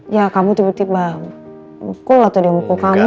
ya kamu tiba tiba mukul atau dia mukul kamu